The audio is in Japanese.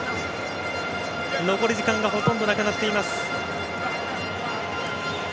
残り時間がほとんどなくなっています。